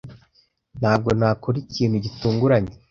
Ntabwo nakora ikintu gitunguranye.